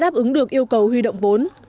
cũng được yêu cầu huy động vốn